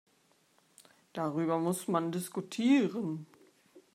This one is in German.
Darüber muss man diskutieren.